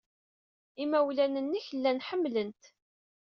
Imawlan-nnek llan ḥemmlen-t.